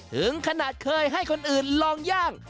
ถึงขนาดเคยให้คนอื่นลองย่าง